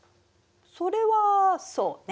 それはそうね。